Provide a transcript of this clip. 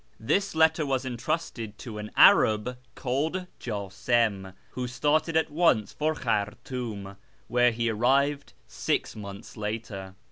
This letter was entrusted to an Arab called Jasim,^ who started at once for Khartoum, where he arrived six months later.